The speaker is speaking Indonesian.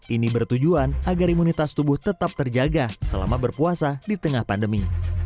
ini bertujuan agar imunitas tubuh tetap terjaga selama berpuasa di tengah pandemi